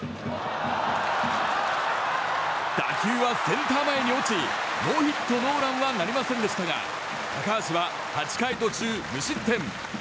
打球はセンター前に落ちノーヒットノーランはなりませんでしたが高橋は８回途中無失点。